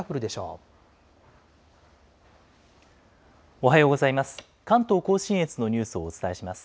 おはようございます。